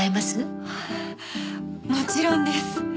もちろんです。